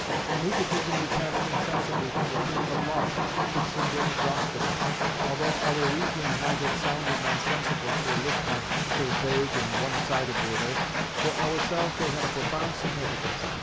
From egotism we passed insensibly to the theme of love, which seemed inexhaustible. Although our reasonings might have sounded nonsensical to a listener (so vague and one sided were they), for ourselves they had a profound significance.